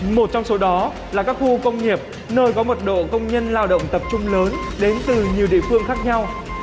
một trong số đó là các khu công nghiệp nơi có mật độ công nhân lao động tập trung lớn đến từ nhiều địa phương khác nhau